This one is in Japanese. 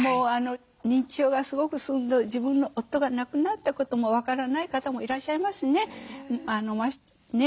認知症がすごく進んで自分の夫が亡くなったことも分からない方もいらっしゃいますね。